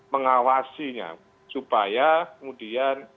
mengawasinya supaya kemudian